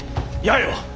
八重は。